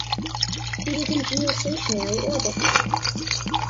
It is in geostationary orbit.